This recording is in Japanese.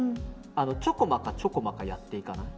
ちょこまか、ちょこまかやっていかない。